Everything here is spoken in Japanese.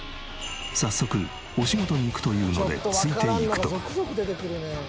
早速お仕事に行くというのでついていくと。